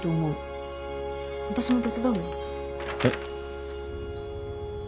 えっ。